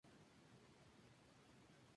Su madre murió cuándo sólo tenía un año.